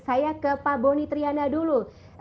saya ke pak boni triana dulu